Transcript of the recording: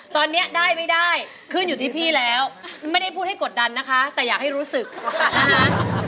ตอนนี้ได้ไม่ได้ขึ้นอยู่ที่พี่แล้วไม่ได้พูดให้กดดันนะคะแต่อยากให้รู้สึกนะคะ